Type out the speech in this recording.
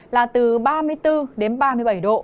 là từ ba mươi bốn ba mươi bảy độ